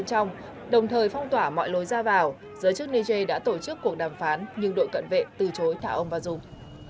trong thời phong tỏa mọi lối ra vào giới chức nj đã tổ chức cuộc đàm phán nhưng đội cận vệ từ chối thả ông vào dùng